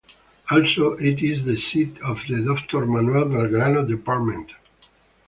Also, it is the seat of the Doctor Manuel Belgrano Department.